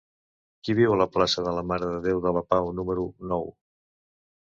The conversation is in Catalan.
Qui viu a la plaça de la Mare de Déu de la Pau número nou?